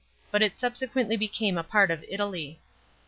but it subsequently became a part of Italy.